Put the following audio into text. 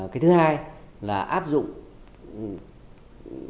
cái thứ hai là áp dụng các